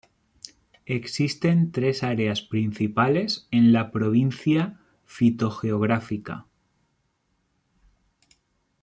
Existen tres áreas principales en la provincia fitogeográfica.